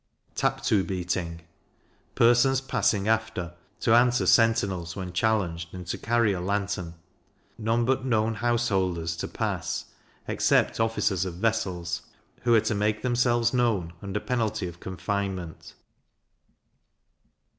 Taptoo beating. Persons passing after, to answer centinels when challenged, and to carry a lantern. None but known householders to pass, except officers of vessels, who are to make themselves known, under penalty of confinement.